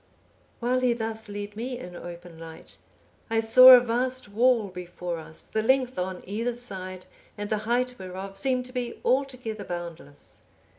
While he thus led me in open light, I saw a vast wall before us, the length on either side, and the height whereof, seemed to be altogether boundless.